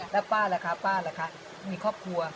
แล้วป้าล่ะคะป้าล่ะคะมีครอบครัว